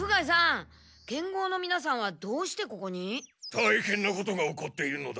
たいへんなことが起こっているのだ。